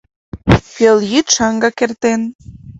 Пелйӱд шаҥгак эртен.